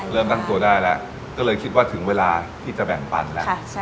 เริ่มตั้งตัวได้แล้วก็เลยคิดว่าถึงเวลาที่จะแบ่งปันแล้ว